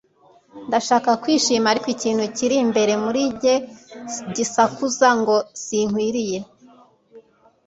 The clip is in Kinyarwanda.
ndashaka kwishima ariko ikintu kiri imbere muri njye gisakuza ngo sinkwiriye